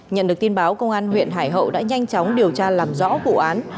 nhận được tin báo công an huyện hải hậu đã nhanh chóng điều tra làm rõ vụ án